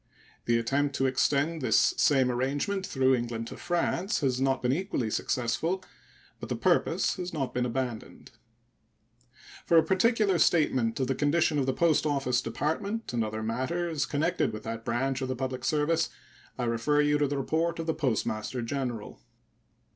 The attempt to extend this same arrangement through England to France has not been equally successful, but the purpose has not been abandoned. For a particular statement of the condition of the Post Office Department and other matters connected with that branch of the public service I refer you to the report of the Postmaster General.